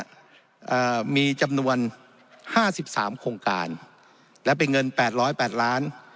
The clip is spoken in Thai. เอ่อมีจำนวนห้าสิบสามโครงการและเป็นเงินแปดร้อยแปดล้าน